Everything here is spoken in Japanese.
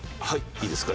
いいですか？